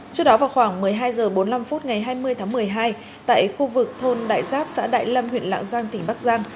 trước đó vào khoảng một mươi hai h bốn mươi năm phút ngày hai mươi tháng một mươi hai tại khu vực thôn đại giáp xã đại lâm huyện lạng giang tỉnh bắc giang